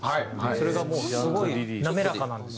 それがもうすごい滑らかなんですよ。